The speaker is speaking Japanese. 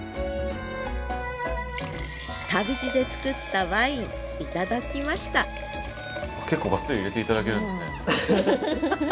旅路でつくったワイン頂きました結構がっつり入れて頂けるんですね。